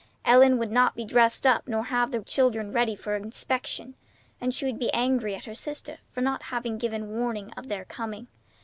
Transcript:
Ellen would not be dressed up nor have the children ready for inspection, and she would be angry at her sister for not having given warning of their coming.